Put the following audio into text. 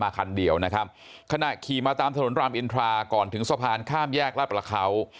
คันเดียวนะครับขณะขี่มาตามถนนรามอินทราก่อนถึงสะพานข้ามแยกลาดประเขา